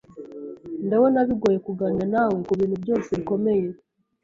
Ndabona bigoye kuganira nawe kubintu byose bikomeye.